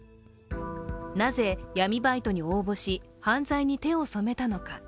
なぜ闇バイトに応募し、犯罪に手を染めたのか。